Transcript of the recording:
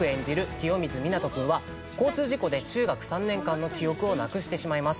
清水みなと君は交通事故で中学３年間の記憶をなくしてしまいます。